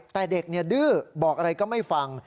แต่เด็กดื้อบอกอะไรก็ไม่ฟัง